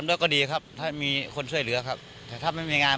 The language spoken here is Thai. มาขอขับข้าวพระเจ้าแซ็บบรรยากร